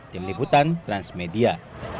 tim liputan transmedia